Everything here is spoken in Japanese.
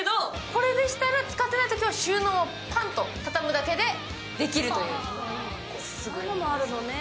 これでしたら、使っていないときにも収納をパンと畳むだけでできるという。